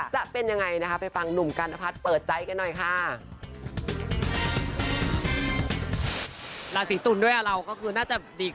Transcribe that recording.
จะเป็นยังไงนะคะไปฟังหนุ่มกันนพัฒน์เปิดใจกันหน่อยค่ะ